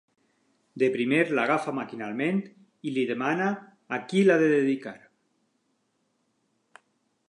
De primer l'agafa maquinalment i li demana a qui l'ha de dedicar.